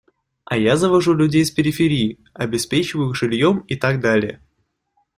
А я завожу людей с периферии, обеспечиваю их жильем и так далее.